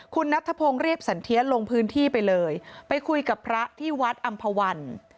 คุณนัทธพงศ์เรียบสันเทียนลงพื้นที่ไปเลยไปคุยกับพระที่วัดอำภาวัน